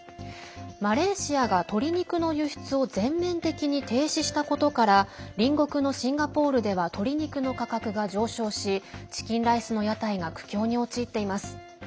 マレーシアが鶏肉の輸出を全面的に停止したことから隣国のシンガポールでは鶏肉の価格が上昇しチキンライスの屋台が苦境に陥っています。